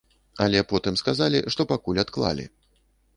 Але потым сказалі, што пакуль адклалі.